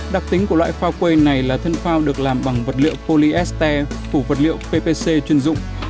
đặc tính của loại phao quây này là thân phao được làm bằng vật liệu polyester phủ vật liệu ppc chuyên dụng